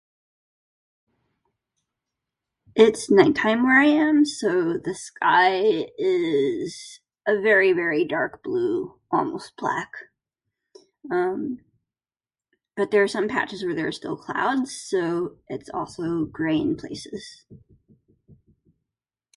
It's nighttime where I am, so the sky is a very, very dark blue, almost black. Um, but there are some patches where there are still clouds, so it's also gray in places.